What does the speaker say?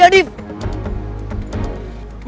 kita ninggalin dia dip